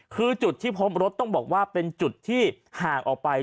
คือจุดที่พบรถต้องบอกว่าเป็นจุดที่ห่างออกไป